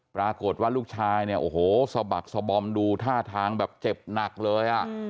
ปรากฏว่าลูกชายเนี่ยโอ้โหสะบักสบอมดูท่าทางแบบเจ็บหนักเลย